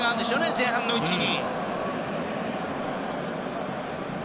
前半のうちに。